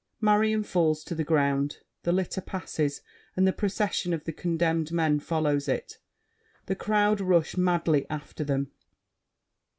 [Marion falls to the ground. The litter passes and the procession of the condemned men follows it. The crowd rush madly after them.